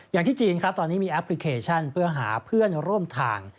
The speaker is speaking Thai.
อย่างที่จีนครับตอนนี้มีแอปพลิเคชันเพื่อหาเพื่อนร่วมทาง